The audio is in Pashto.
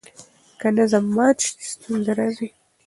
که نظم مات سي ستونزه راځي.